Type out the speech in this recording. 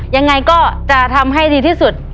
ยังไงก็จะทำให้ดีที่สุด